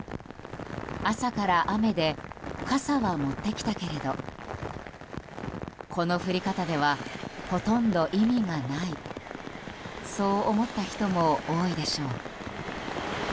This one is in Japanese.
朝から雨で傘は持ってきたけれどこの降り方ではほとんど意味がないそう思った人も多いでしょう。